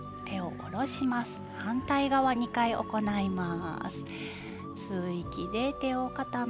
反対側、２回行います。